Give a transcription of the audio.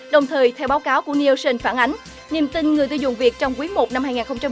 đồng thời theo báo cáo của nielsen phản ánh niềm tin người tiêu dùng việt trong quý i năm hai nghìn một mươi sáu